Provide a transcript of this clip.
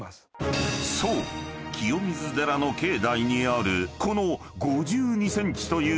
清水寺の境内にあるこの］